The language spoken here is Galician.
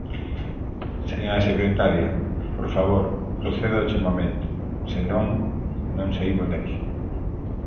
Señora secretaria, por favor, proceda ao chamamento, se non, non saímos de aquí.